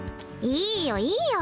いいよいいよ